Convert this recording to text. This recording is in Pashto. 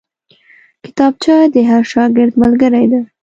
کتابچه د هر شاګرد ملګرې ده